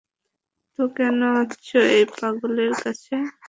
তো কেন আসছো এই পাগলের কাছে।